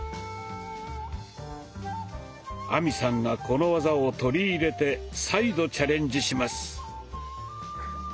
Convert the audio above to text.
亜美さんがこの技を取り入れて再度チャレンジします。